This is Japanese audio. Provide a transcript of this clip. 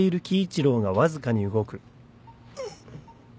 うっ。